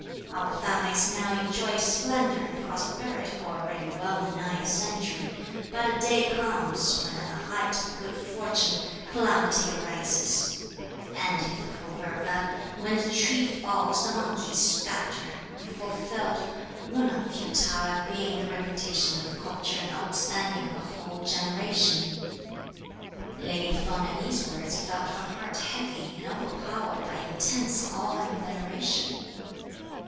Our family has now enjoyed splendour and prosperity for already well nigh a century, but a day comes when at the height of good fortune, calamity arises; and if the proverb that 'when the tree falls, the monkeys scatter,' be fulfilled, will not futile have been the reputation of culture and old standing of a whole generation?" Lady Feng at these words felt her heart heavy, and overpowered by intense awe and veneration.